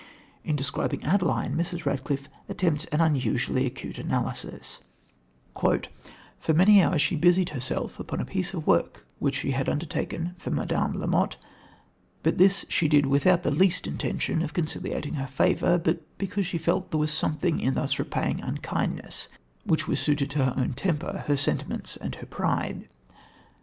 In describing Adeline, Mrs. Radcliffe attempts an unusually acute analysis: "For many hours she busied herself upon a piece of work which she had undertaken for Madame La Motte, but this she did without the least intention of conciliating her favour, but because she felt there was something in thus repaying unkindness, which was suited to her own temper, her sentiments and her pride.